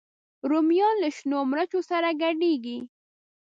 رومیان له شنو مرچو سره ګډېږي